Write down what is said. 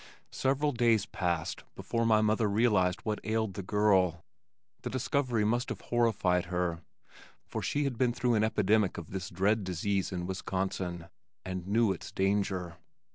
Several days passed before my mother realized what ailed the girl. The discovery must have horrified her, for she had been through an epidemic of this dread disease in Wisconsin, and knew its danger.